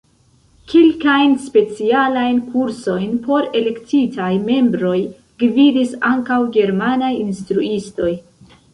Kelkajn specialajn kursojn por elektitaj membroj gvidis ankaŭ germanaj instruistoj.